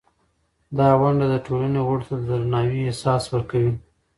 دا ونډه د ټولنې غړو ته د درناوي احساس ورکوي.